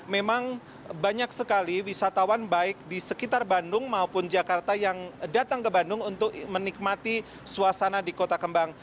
memang banyak sekali wisatawan baik di sekitar bandung maupun jakarta yang datang ke bandung untuk menikmati suasana di kota kembang